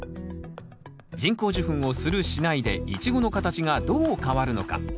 人工授粉をする・しないでイチゴの形がどう変わるのか？